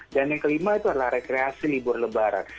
dan yang kelima itu adalah rekreasi libur lebaran